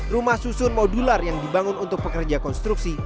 rumah susun modular yang dibangun untuk pekerja konstruksi